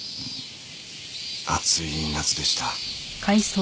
暑い夏でした。